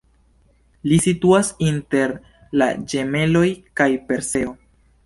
Li situas inter la Ĝemeloj kaj Perseo.